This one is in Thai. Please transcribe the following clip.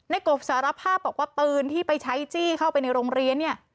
กบสารภาพบอกว่าปืนที่ไปใช้จี้เข้าไปในโรงเรียนเนี่ย